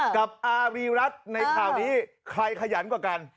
กับอารีรัฐในข่าวนี้ใครขยันกว่ากัน